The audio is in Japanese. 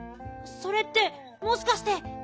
それってもしかして。